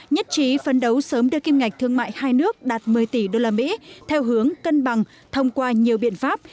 nhất trí phấn đấu sớm đưa kim ngạch thương mại hai nước đạt một mươi tỷ usd theo hướng cân bằng thông qua nhiều biện pháp